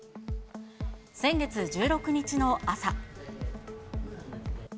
先月１６日の朝。